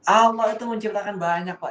allah itu menciptakan banyak pak